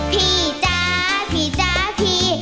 พี่จ๊ะพี่จ๊ะพี่